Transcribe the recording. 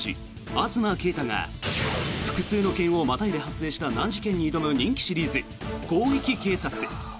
東圭太が複数の県をまたいで発生した難事件に挑む人気シリーズ「広域警察」。